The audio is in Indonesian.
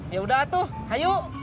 yaudah tuh hayuk